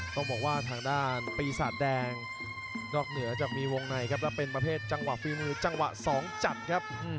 ต้องบอกว่าทางด้านปีศาจแดงนอกเหนือจะมีวงในครับแล้วเป็นประเภทจังหวะฝีมือจังหวะสองจัดครับ